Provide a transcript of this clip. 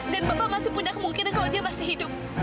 dan bapak masih punya kemungkinan kalau dia masih hidup